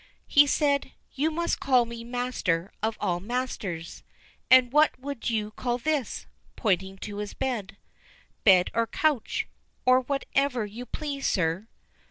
He said: "You must call me 'Master of all Masters.' And what would you call this?" pointing to his bed. "Bed or couch, or whatever you please, sir."